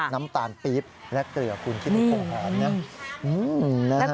น้ำตาลปี๊บและเกลือคุณคิดว่าคงหอมนะ